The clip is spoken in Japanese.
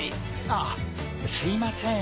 あっすいません。